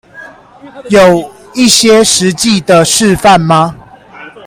有一些實際的示範嗎